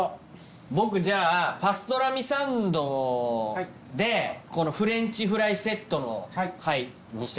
僕じゃあパストラミサンドでこのフレンチフライセットにしてください。